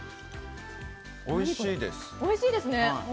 おいしいです！